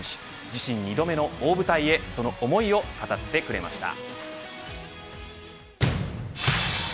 自身２度目の大舞台へその思いを語ってくれました。